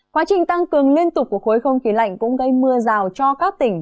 quá trình tăng cường liên tục của khối không khí lạnh cũng gây mưa rào cho các tỉnh